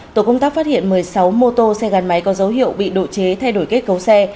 tổ công tác phát hiện một mươi sáu mô tô xe gắn máy có dấu hiệu bị độ chế thay đổi kết cấu xe